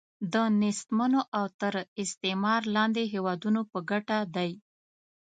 د نېستمنو او تر استعمار لاندې هیوادونو په ګټه دی.